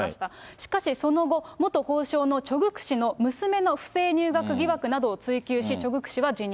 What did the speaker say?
しかしその後、元法相のチョ・グク氏の娘の不正入学疑惑などを追及し、チョ・グク氏は辞任。